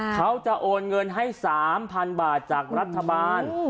เขาจะโอนเงินให้๓๐๐๐บาทจากรัฐบาล